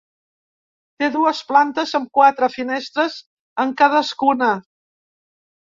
Té dues plantes amb quatre finestres en cadascuna.